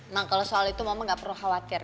nah kalo soal itu mama ga perlu khawatir